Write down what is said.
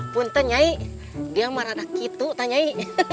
punten nyai dia meragak itu nyai